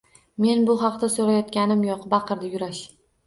Men bu haqda soʻrayotganim yoʻq! – baqirdi Yurash.